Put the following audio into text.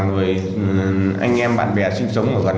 người anh em bạn bè sinh sống